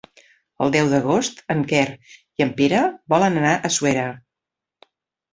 El deu d'agost en Quer i en Pere volen anar a Suera.